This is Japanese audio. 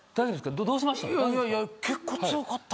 どうしました？